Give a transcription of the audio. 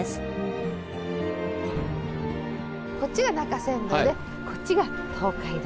こっちが中山道でこっちが東海道。